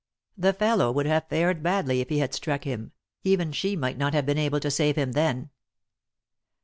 The fellow would have tared badly if he had struck him ; even she might not have been able to save him then.